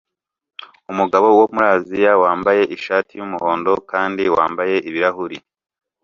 Umugabo wo muri Aziya wambaye ishati yumuhondo kandi wambaye ibirahuri